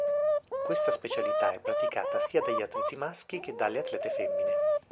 Questa specialità è praticata sia dagli atleti maschi che dalle atlete femmine.